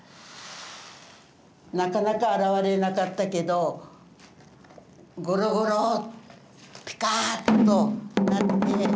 なかなか現れなかったけどゴロゴロピカーっとなって。